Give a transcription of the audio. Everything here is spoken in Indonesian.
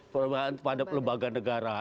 penghinaan terhadap lembaga negara